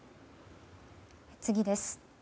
次です。